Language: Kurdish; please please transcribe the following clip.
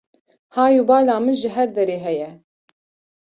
Hay û bala min ji her derê heye.